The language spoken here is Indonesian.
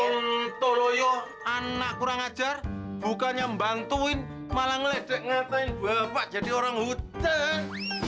sontoloyo anak kurang ajar bukannya mbantuin malah ngeledek ngetain bapak jadi orang hutan